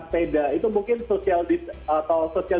sepeda itu mungkin social